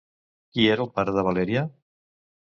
Qui era el pare de Valèria?